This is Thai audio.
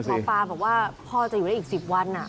พี่หมอปลาบอกว่าพ่อจะอยู่น่ะอีกสิบวันน่ะ